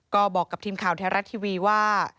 ก็บอกกับทีมข่าวแท้รัฐทีวีว่า